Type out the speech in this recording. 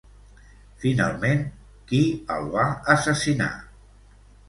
Finalment, qui el va assassinar?